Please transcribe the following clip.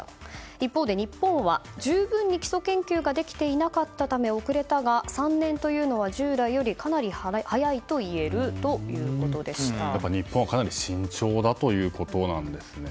一方で日本は十分に基礎研究ができていなかったために遅れたが３年というのは従来よりかなり早いと日本はかなり慎重だということなんですね。